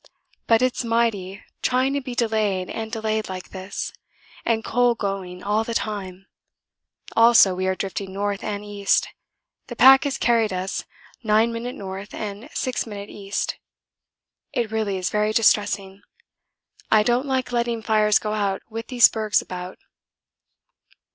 but it's mighty trying to be delayed and delayed like this, and coal going all the time also we are drifting N. and E. the pack has carried us 9' N. and 6' E. It really is very distressing. I don't like letting fires go out with these bergs about.